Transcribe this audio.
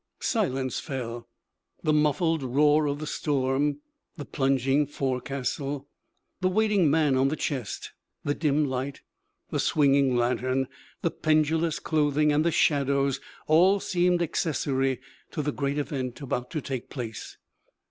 Silence fell. The muffled roar of the storm, the plunging forecastle, the waiting man on the chest, the dim light, the swinging lantern, the pendulous clothing, and the shadows, all seemed accessory to the great event about to take place.